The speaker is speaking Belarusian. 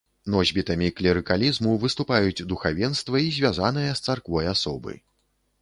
Носьбітамі клерыкалізму выступаюць духавенства і звязаныя з царквой асобы.